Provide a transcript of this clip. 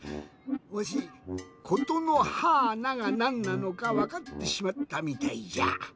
わし「ことのはーな」がなんなのかわかってしまったみたいじゃ。